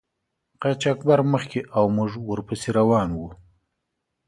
قاچاقبر مخکې او موږ ور پسې روان وو.